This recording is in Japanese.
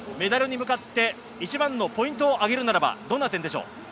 向かって一番のポイントを上げるならば、どんな点でしょう。